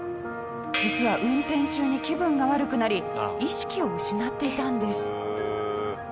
実は運転中に気分が悪くなり意識を失っていたんです。